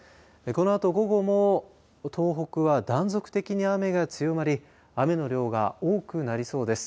このあと午後も東北は断続的に雨が強まり雨の量が多くなりそうです。